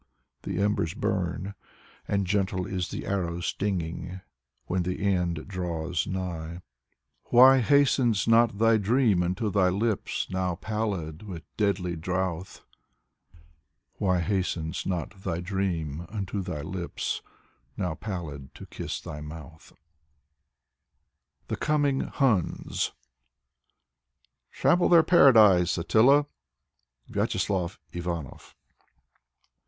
The embers burn, and gentle is the arrow's stinging, When the end draws nigh. Why hastens not thy dream unto thy lips, now pallid With deadly drouth? Why hastens not thy dream unto thy lips, now pallid To kiss thy mouth? ^ Tr. by Avrahm Yarmolinsky. oo . Valery Brusov h THE COMING HUNS "Trample their Paradise, Attila!" — ^Vyacheslav Ivanov.